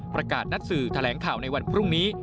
ประกาศนัดสื่อแถลงข่าวในวันพรุ่งนี้